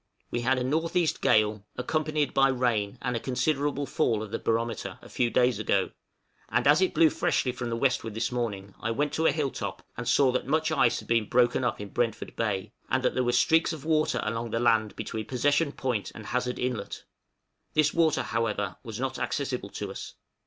We had a N.E. gale, accompanied by rain and a considerable fall of the barometer, a few days ago; and as it blew freshly from the westward this morning, I went to a hill top and saw that much ice had been broken up in Brentford Bay, and that there were streaks of water along the land between Possession Point and Hazard Inlet; this water, however, was not accessible to us.